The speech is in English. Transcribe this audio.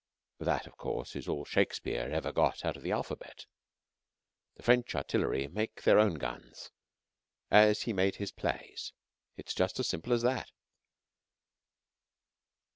That, of course, is all that Shakespeare ever got out of the alphabet. The French Artillery make their own guns as he made his plays. It is just as simple as that.